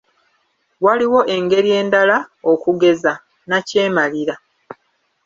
Waliwo engeri endala, okugeza: Nnakyemalira.